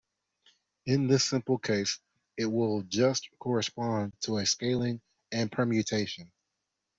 In this simple case it will just correspond to a scaling and a permutation.